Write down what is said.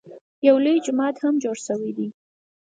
یو لوی جومات هم جوړ شوی دی.